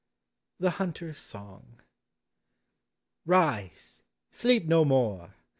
TfiE HUNTER'S SONG. Rise ! Sleep no more